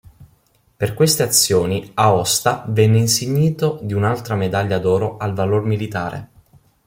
Per queste azioni "Aosta" venne insignito di un'altra Medaglia d'Oro al Valor Militare.